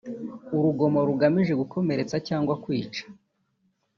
urugomo rugamije gukomeretsa cyangwa kwica